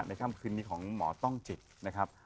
ค่ำคืนนี้ของหมอต้องจิตนะครับ